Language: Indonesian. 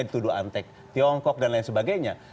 dituduh antek tiongkok dan lain sebagainya